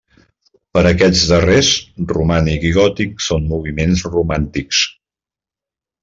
Per aquests darrers, romànic i gòtic són moviments romàntics.